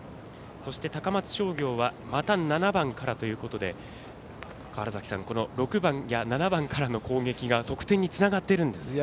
高松商業はまた７番からということで７番からの攻撃が得点につながっているんですね。